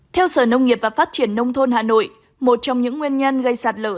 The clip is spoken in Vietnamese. theo sở nông nghiệp và phát triển nông thôn hà nội một trong những nguyên nhân gây sạt lở